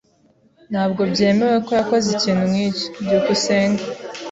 Ntabwo byemewe ko yakoze ikintu nkicyo. byukusenge